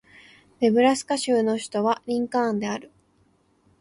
ネブラスカ州の州都はリンカーンである